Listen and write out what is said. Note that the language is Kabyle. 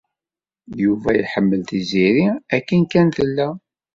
Yuba iḥemmel Tiziri akken kan tella.